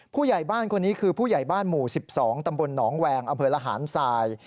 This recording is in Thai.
ผู้ใหญ่บ้านคนนี้คือผู้ใหญ่บ้านหมู่๑๒ตำบลหนองแวงอำเภอระหารทราย